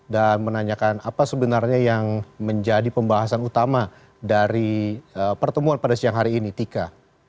dan menanyakan apa sebenarnya yang menjadi pembahasan utama dari pertemuan pada siang hari ini tika